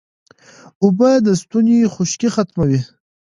اوبه د ستوني خشکي ختموي